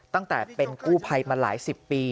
ตั้งแต่เป็นกู้ภัยมาหลายสิบปี